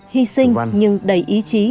hy sinh nhưng đầy ý chí